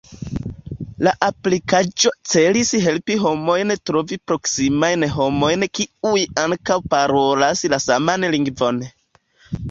La aplikaĵo celis helpi homojn trovi proksimajn homojn kiuj ankaŭ parolas la saman lingvon.